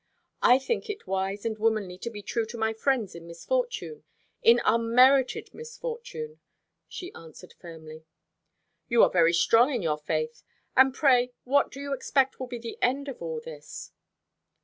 "I think it wise and womanly to be true to my friends in misfortune in unmerited misfortune," she answered firmly. "You are very strong in your faith. And pray what do you expect will be the end of all this?"